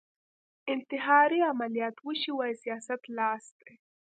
انتحاري عملیات وشي وايي سیاست لاس دی